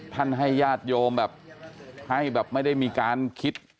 ให้ญาติโยมแบบให้แบบไม่ได้มีการคิด